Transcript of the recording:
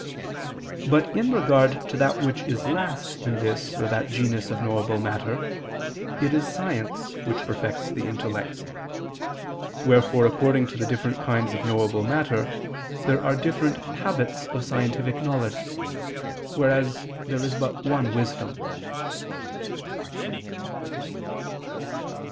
But in regard to that which is last in this or that genus of knowable matter, it is science which perfects the intellect. Wherefore according to the different kinds of knowable matter, there are different habits of scientific knowledge; whereas there is but one wisdom.